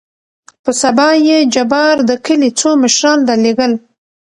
په سبا يې جبار دکلي څو مشران رالېږل.